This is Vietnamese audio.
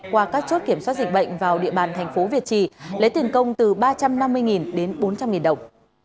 qua các chốt kiểm soát dịch bệnh vào địa bàn thành phố việt trì lấy tiền công từ ba trăm năm mươi đến bốn trăm linh đồng